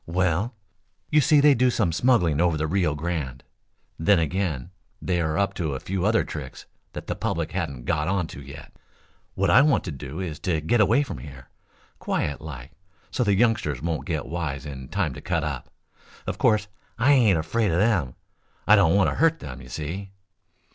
"Well, you see, they do some smuggling over the Rio Grande. Then again, they are up to a few other tricks that the public hasn't got on to yet. What I want to do is to get away from here, quiet like, so the youngsters won't get wise in time to cut up. Of course I ain't afraid of them. I don't want to hurt them, you see."